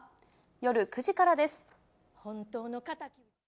夜９時からです。